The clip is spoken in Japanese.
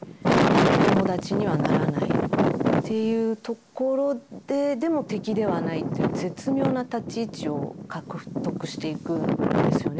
お友達にはならないっていうところででも敵ではないという絶妙な立ち位置を獲得していくんですよね